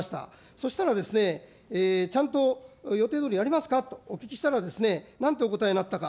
そしたらですね、ちゃんと予定どおりやりますかとお聞きしたらですね、なんとお答えになったか。